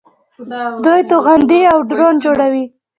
دوی توغندي او ډرون جوړوي.